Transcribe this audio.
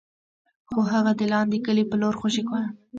خو هغه د لاندې کلي په لور خوشې و.